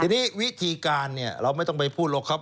ทีนี้วิธีการเนี่ยเราไม่ต้องไปพูดหรอกครับ